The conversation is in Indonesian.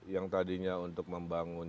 yang tadinya untuk membangun